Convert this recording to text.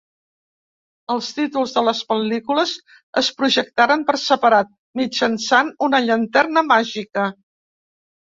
Els títols de les pel·lícules es projectaren per separat, mitjançant una llanterna màgica.